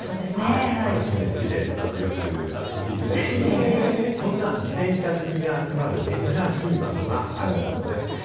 私も好きで、よく、あちこち行くんですけれども、そんな自転車好きが集まる、珍しい場所があるんだそうです。